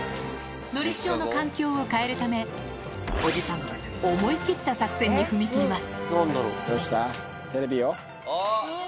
のりしおの環境を変えるため、おじさん、思い切った作戦に踏み切ります。